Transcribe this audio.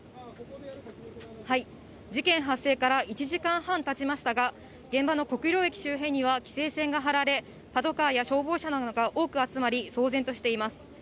事件発生から１時間半たちましたが、現場の国領駅周辺には規制線が張られ、パトカーや消防車などが多く集まり、騒然としています。